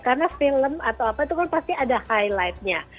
karena film itu kan pasti ada highlight nya